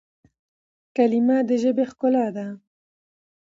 کلیمه د ژبي ښکلا ده.